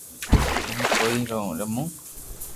ھون ڪوئي رمو